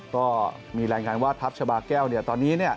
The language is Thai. ก็มีรายงานว่าทัพชาบาแก้วตอนนี้